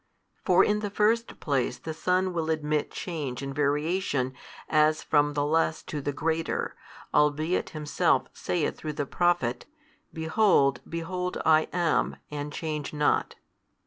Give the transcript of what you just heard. For in the first place the Son will admit change and variation as from the less to the greater, albeit Himself saith through the Prophet, Behold, behold I am, and change not.